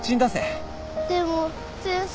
でも先生。